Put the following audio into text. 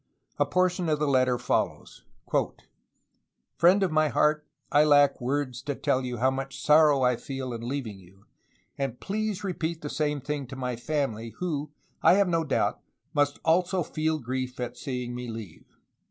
A portion of the letter follows :"^ "Friend of my heart, I lack words to tell you how much sorrow I feel in leaving you, and please repeat the same thing to my family, who, I have no doubt, must also feel grief at seeing me leave.